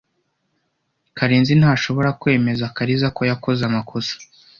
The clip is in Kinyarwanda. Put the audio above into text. Karenzi ntashobora kwemeza Kariza ko yakoze amakosa.